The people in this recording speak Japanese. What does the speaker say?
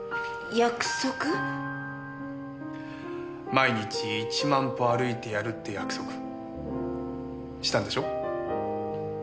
毎日１万歩歩いてやるって約束したんでしょ？